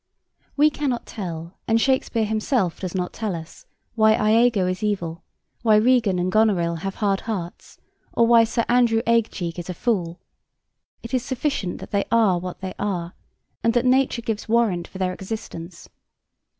We cannot tell, and Shakespeare himself does not tell us, why Iago is evil, why Regan and Goneril have hard hearts, or why Sir Andrew Aguecheek is a fool. It is sufficient that they are what they are, and that nature gives warrant for their existence.